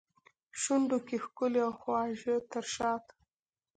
شونډو کې ښکلي او خواږه تر شاتو